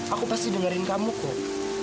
aku pasti dengerin kamu kok